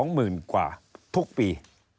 หมื่นกว่าทุกปี